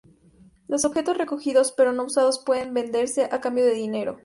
Los objetos recogidos pero no usados pueden venderse a cambio de dinero.